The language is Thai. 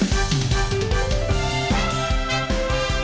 โปรดติดตามตอนต่อไป